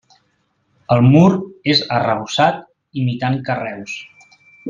El mur és arrebossat, imitant carreus.